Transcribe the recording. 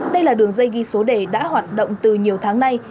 đây là đường dây ghi số đề đã hoạt động từ nhiều tháng nay